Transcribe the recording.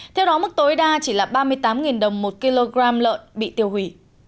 theo đó mức tối đa chỉ là ba mươi tám đồng một kg lợn bị tiêu hủy